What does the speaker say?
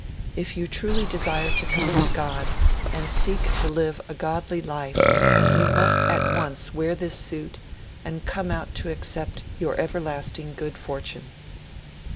If you truly desire to come to God and seek to live a godly life, you must at once wear this suit, and come out to accept your everlasting good fortune.'